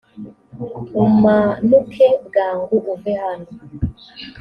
umanuke bwangu uve hano